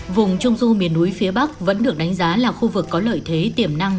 vùng trung du miền núi phía bắc vẫn được đánh giá là khu vực có lợi thế tiềm năng